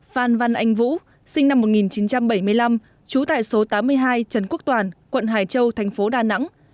phan văn anh vũ sinh năm một nghìn chín trăm bảy mươi năm trú tại số tám mươi hai trần quốc toàn quận hải châu thành phố đà nẵng